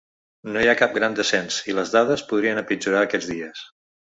No hi ha cap gran descens, i les dades podrien empitjorar aquests dies.